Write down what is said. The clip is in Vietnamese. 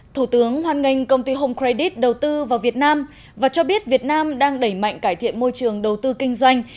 thủ tướng hoan nghênh công ty home credit đầu tư vào việt nam và cho biết việt nam đang đẩy mạnh cải thiện môi trường đầu tư kinh doanh